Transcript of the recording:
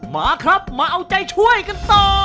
มาครับมาเอาใจช่วยกันต่อ